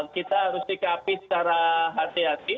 kita harus sikapi secara hati hati